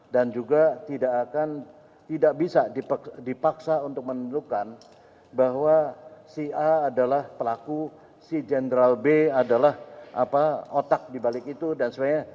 dan juga tidak bisa dipaksa untuk menentukan bahwa si a adalah pelaku si jenderal b adalah otak dibalik itu dan sebagainya